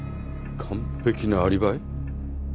完ぺきなアリバイ？